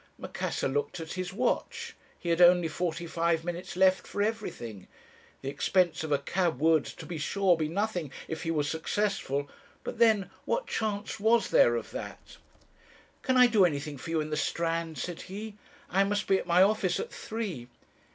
"Macassar looked at his watch. He had only forty five minutes left for everything. The expense of a cab would, to be sure, be nothing if he were successful; but then, what chance was there of that? "'Can I do anything for you in the Strand?' said he. 'I must be at my office at three.'